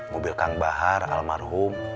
mobil kang bahar almarhum